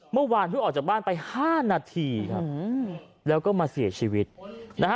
เมื่อวานเพิ่งออกจากบ้านไปห้านาทีครับแล้วก็มาเสียชีวิตนะฮะ